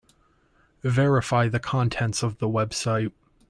Verify the contents of the website.